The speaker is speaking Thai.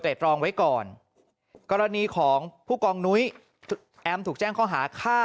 แต่ตรองไว้ก่อนกรณีของผู้กองนุ้ยแอมถูกแจ้งข้อหาฆ่า